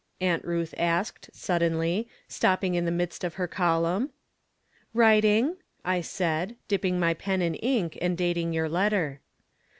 Aunt Ruth asked, suddenly, stopping in the midst of her column. " Writing," I said, dipping my pen in ink, and dating your letter.